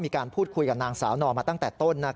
มีการพูดคุยกับนางสาวนอมาตั้งแต่ต้น